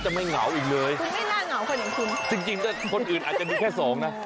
จริงแต่คนอื่นอาจจะมีแค่สองนะ